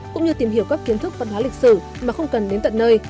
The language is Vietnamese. cũng như tìm hiểu các kiến thức văn hóa lịch sử mà không cần đến tận nơi